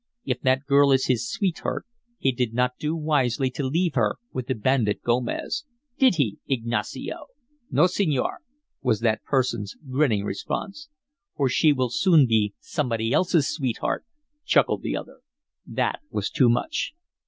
"If that girl is his sweetheart, he did not do wisely to leave her with the bandit Gomez. Did he, Ignacio?" "No, senor," was that person's grinning response. "For she will soon be somebody else's sweetheart," chuckled the other. That was too much.